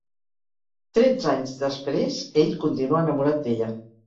Tretze anys després, ell continua enamorat d'ella.